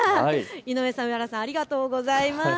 井上さん、上原さん、ありがとうございます。